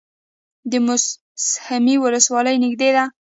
د موسهي ولسوالۍ نږدې ده